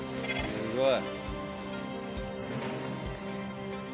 すごい。